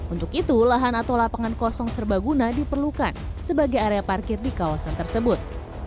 untuk itu lahan atau lapangan kosong serbaguna diperlukan sebagai area parkir di kawasan tersebut